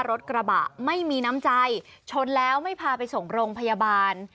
รถกระบะไม่มีน้ำใจชนแล้วไม่พาไปส่งโรงพยาบาล